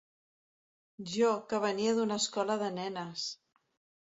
Jo, que venia d’una escola de nenes!